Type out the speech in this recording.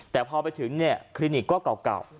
แต่พอไปถึงคลินิกก็เก่า